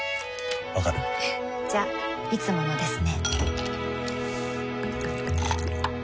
わかる？じゃいつものですね